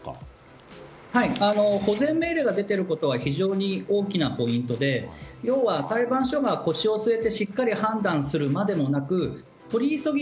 保全命令が出ていることは非常に大きなポイントで要は裁判所が腰を据えてしっかり判断するまでもなく取り急ぎ